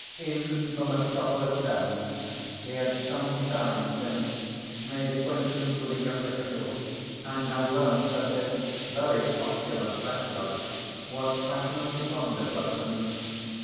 In the "Metropolis" tavern he had some time since made acquaintance with a young official and had learnt that this very opulent bachelor was passionately fond of weapons.